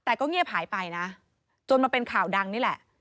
แต่ก็เงียบหายไปนะจนมาเป็นข่าวดังนี่แหละ